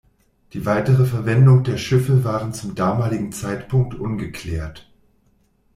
Die weitere Verwendung der Schiffe waren zum damaligen Zeitpunkt ungeklärt.